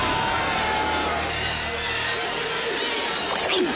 うっ！